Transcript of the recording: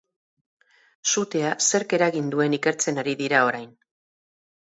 Sutea zerk eragin duen ikertzen ari dira orain.